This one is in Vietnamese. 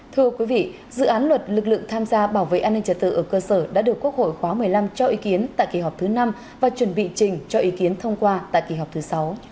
thưa quý vị dự án luật lực lượng tham gia bảo vệ an ninh trật tự ở cơ sở đã được quốc hội khóa một mươi năm cho ý kiến tại kỳ họp thứ năm và chuẩn bị trình cho ý kiến thông qua tại kỳ họp thứ sáu